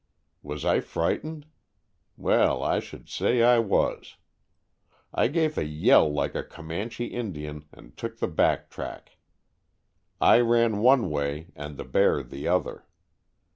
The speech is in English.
Was I frightened? Well, I should say I was. I gave a yell like a Coman che Indian and took the back track. I ran one way and the bear the other.